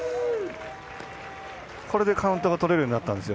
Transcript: これでカウントが取れるようになったんですよ。